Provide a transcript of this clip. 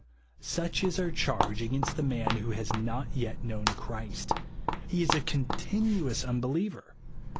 Such is our charge against the man vfho has not yet known Christ. He is a continuous unbeliever.